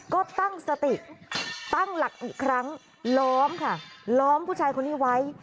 ก็ตั้งสติตั้งหลักอีกครั้งล้อมค่ะล้อมผู้ชายคนนี้ไว้